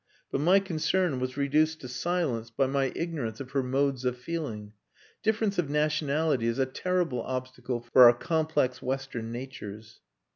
But my concern was reduced to silence by my ignorance of her modes of feeling. Difference of nationality is a terrible obstacle for our complex Western natures.